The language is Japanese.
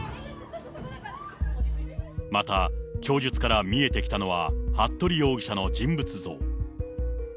また、供述から見えてきたのは、服部容疑者の人物像。